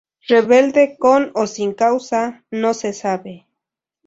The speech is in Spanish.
Rebelde con o sin causa, no se sabe.